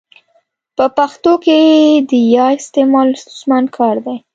په پښتو کي د ي استعمال ستونزمن کار دی.